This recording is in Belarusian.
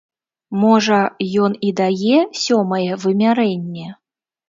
Можа, ён і дае сёмае вымярэнне?